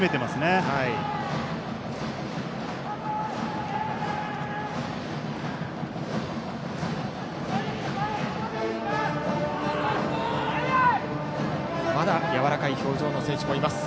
まだやわらかい表情の選手もいます。